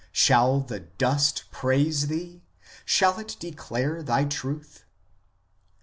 Shall the dust praise Thee ? shall it declare Thy truth ?